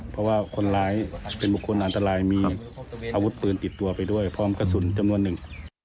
เพราะว่าคนร้ายเป็นบุคคลอันตรายมีอาวุธปืนติดตัวไปด้วยพร้อมกระสุนจำนวนหนึ่ง